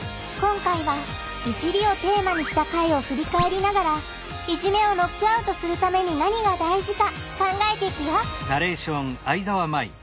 今回は「いじり」をテーマにした回をふりかえりながらいじめをノックアウトするために何が大事か考えていくよ